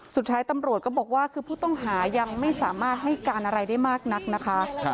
สุดท้ายตำรวจก็บอกว่าคือผู้ต้องหายังไม่สามารถให้การอะไรได้มากนักนะคะ